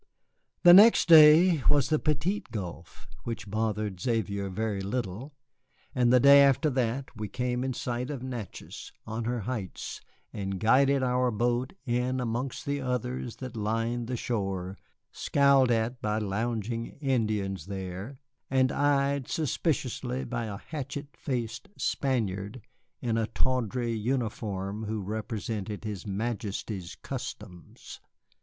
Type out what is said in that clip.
The next day there was the Petite Gulf, which bothered Xavier very little, and the day after that we came in sight of Natchez on her heights and guided our boat in amongst the others that lined the shore, scowled at by lounging Indians there, and eyed suspiciously by a hatchet faced Spaniard in a tawdry uniform who represented his Majesty's customs.